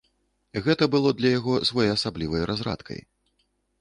Гэта было для яго своеасаблівай разрадкай.